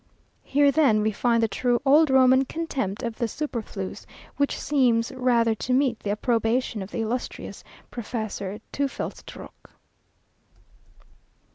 Here then we find the true "Old Roman contempt of the superfluous," which seems rather to meet the approbation of the illustrious Professor Teufelsdroch.